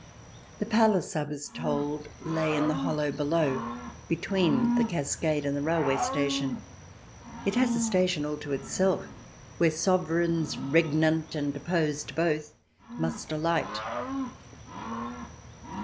The palace, I was told, lay in the hollow below, between the cascade and the railway station — it has a station all to itself where Sovereigns, regnant and deposed, both must alight.